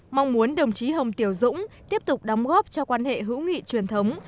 mong muốn đồng chí hồng tiểu dũng tiếp tục đóng góp cho quan hệ hữu nghị truyền thống